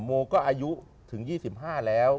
โมก็อายุถึง๒๕แล้ว